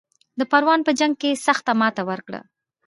د پروان په جنګ کې سخته ماته ورکړه.